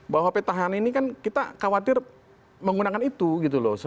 bahwa petahana ini kan kita khawatir menggunakan itu gitu loh